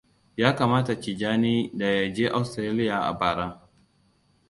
Ya kamata Tijjani daya je Austaraliya a bara.